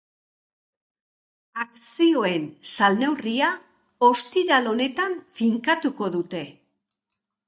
Akzioen salneurria ostiral honetan finkatuko dute.